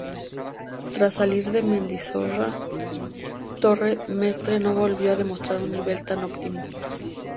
Tras salir de Mendizorroza, Torres Mestre no volvió a demostrar un nivel tan óptimo.